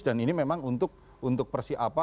dan ini memang untuk persiapa